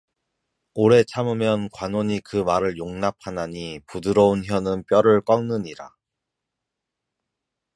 오래 참으면 관원이 그 말을 용납하나니 부드러운 혀는 뼈를 꺾느니라